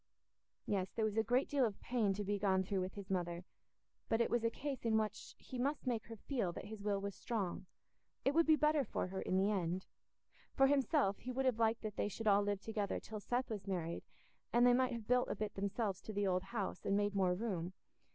Yes, there was a great deal of pain to be gone through with his mother, but it was a case in which he must make her feel that his will was strong—it would be better for her in the end. For himself, he would have liked that they should all live together till Seth was married, and they might have built a bit themselves to the old house, and made more room.